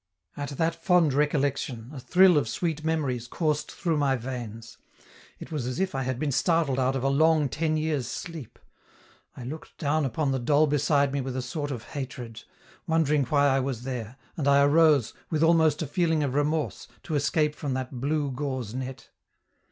At that fond recollection, a thrill of sweet memories coursed through my veins; it was as if I had been startled out of a long ten years' sleep; I looked down upon the doll beside me with a sort of hatred, wondering why I was there, and I arose, with almost a feeling of remorse, to escape from that blue gauze net.